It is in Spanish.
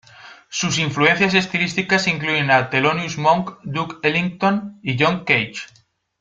Sus influencias estilísticas incluyen a Thelonious Monk, Duke Ellington y John Cage.